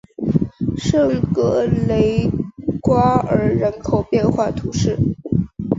圣格雷瓜尔人口变化图示